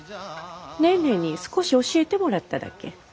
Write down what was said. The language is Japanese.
ネーネーに少し教えてもらっただけ。